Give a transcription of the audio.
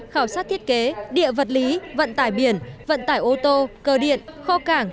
khảo sát thiết kế địa vật lý vận tải biển vận tải ô tô cơ điện kho cảng